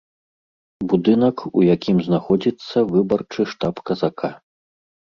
Будынак, у якім знаходзіцца выбарчы штаб казака.